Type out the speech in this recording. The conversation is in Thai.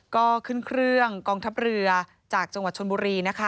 ก็ขึ้นเครื่องกองทัพเรือจากจังหวัดชนบุรีนะคะ